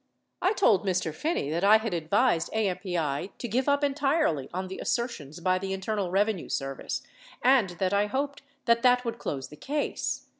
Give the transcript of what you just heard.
I told Mr. Phinney that I had advised AMPI to give up entirely on the assertions by the Internal Revenue Service and that I hoped that, that Avould close the case.